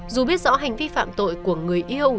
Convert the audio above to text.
dù biết rõ hành vi phạm tội của người iuu